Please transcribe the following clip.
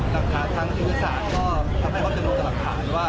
ทำเอกลักษะทั้งเศรษฐกฤษศาและให้ทำให้พบกระขา